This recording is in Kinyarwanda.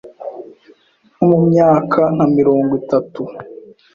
nko mu myaka nka mirongo itatu